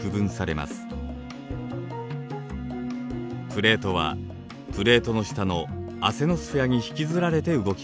プレートはプレートの下のアセノスフェアに引きずられて動きます。